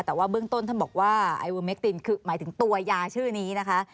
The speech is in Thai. แต่ว่าเบื้องต้นท่านบอกว่าไอเวอร์เมคตินคือหมายถึงตัวยาชื่อนี้นะคะ